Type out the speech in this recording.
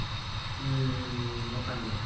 うん分かんない。